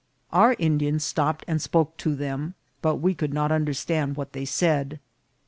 Our Indians stopped and spoke to them, but we could not under stand what they said.